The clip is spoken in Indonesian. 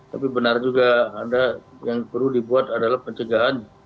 tapi benar juga anda yang perlu dibuat adalah pencegahan